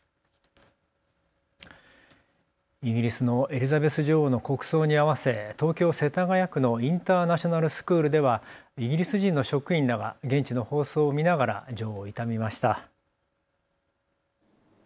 イギリスのエリザベス女王の国葬に合わせ東京世田谷区のインターナショナルスクールではイギリス人の職員らが現地の放送を見ながら女王を悼みました。